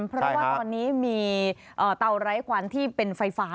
เพราะว่าตอนนี้มีเตาไร้ควันที่เป็นไฟฟ้า